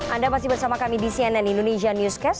anda masih bersama kami di cnn indonesia newscast